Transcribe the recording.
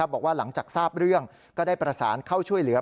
บอกว่าหลังจากทราบเรื่องก็ได้ประสานเข้าช่วยเหลือ